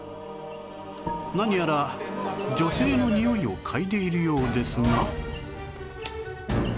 何やら女性のにおいを嗅いでいるようですが